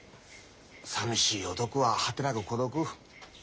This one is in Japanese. さみしい男は果てなく孤独。